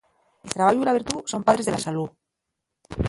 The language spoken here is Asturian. El trabayu y la virtú son padres de la salú.